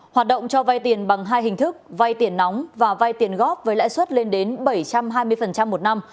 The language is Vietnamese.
hoạt động cho vay tiền bằng hai hình thức vay tiền nóng và vay tiền góp với lãi suất lên đến bảy trăm hai mươi một năm